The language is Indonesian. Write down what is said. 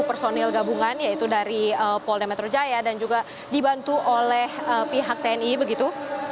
personil gabungan yaitu dari polda metro jaya dan juga dibantu oleh pihak tni begitu